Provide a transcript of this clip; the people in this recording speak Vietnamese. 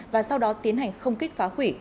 và sau đó tiến hành không kích phá hủy